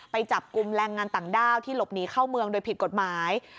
ไปจับกลุ่มแรงงานต่างด้าวที่หลบหนีเข้าเมืองโดยผิดกฎหมาย